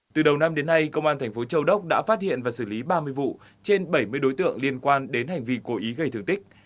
từ đầu năm đến nay công an thành phố châu đốc đã phát hiện và xử lý ba mươi vụ trên bảy mươi đối tượng liên quan đến hành vi cố ý gây thương tích